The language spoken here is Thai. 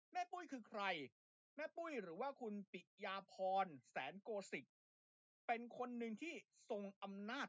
ปุ้ยคือใครแม่ปุ้ยหรือว่าคุณปิยาพรแสนโกศิกจะเป็นคนหนึ่งที่ทรงอำนาจ